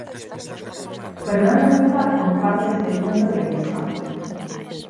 Fernando Aguilar comparte este punto de vista.